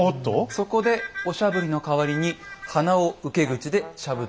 そこでおしゃぶりの代わりに鼻を受け口でしゃぶっている。